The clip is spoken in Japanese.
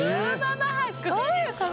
どういうこと？